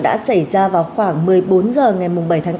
đã xảy ra vào khoảng một mươi bốn h ngày bảy tháng bốn